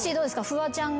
フワちゃんが。